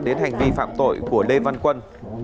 đến hành vi phạm tội của lê văn quân